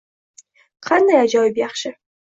Qanday ajoyib yaxshi